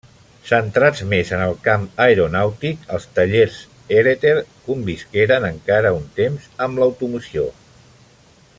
Centrats més en el camp aeronàutic, els tallers Hereter convisqueren encara un temps amb l'automoció.